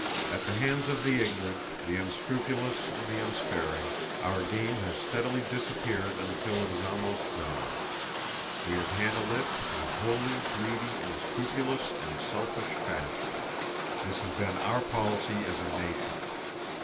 At the hands of the ignorant, the unscrupulous and the unsparing, our game has steadily disappeared until it is almost gone. We have handled it in a wholly greedy, unscrupulous and selfish fashion. This has been our policy as a nation.